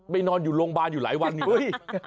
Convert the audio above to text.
ไปนอนอยู่โรงพัฒนาหรือว่า